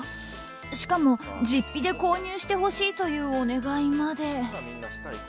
しかも、実費で購入してほしいというお願いまで。